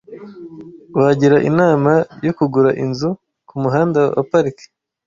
Wagira inama yo kugura inzu kumuhanda wa Park?